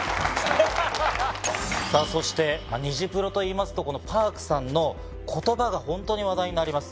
そして『ニジプロ』といいますとＰａｒｋさんの言葉が本当に話題になります。